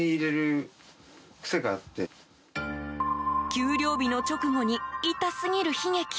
給料日の直後に痛すぎる悲劇。